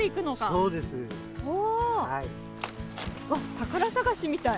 宝探しみたい。